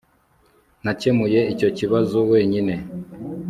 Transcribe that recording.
Nakemuye icyo kibazo wenyine